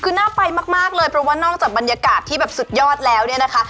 คือน่าไปมากเลยเพราะว่านอกจากบรรยากาศที่แบบสุดยอดแล้วเนี่ยนะคะ